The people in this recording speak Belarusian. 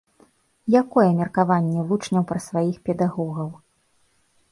Якое меркаванне вучняў пра сваіх педагогаў?